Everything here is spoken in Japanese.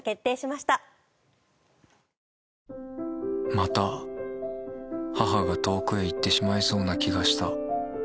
また母が遠くへ行ってしまいそうな気がした。